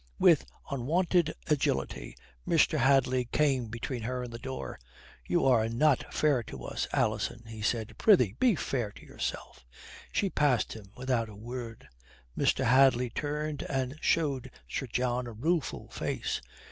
With unwonted agility, Mr. Hadley came between her and the door. "You are not fair to us, Alison," he said. "Prithee, be fair to yourself." She passed him without a word. Mr. Hadley turned and showed Sir John a rueful face.